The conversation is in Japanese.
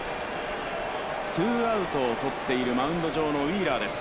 ツーアウトを取っているマウンド上のウィーラーです。